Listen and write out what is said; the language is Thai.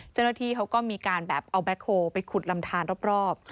เจ้าหน้าที่เขาก็มีการแบบเอาแบ็คโฮลไปขุดลำทานรอบ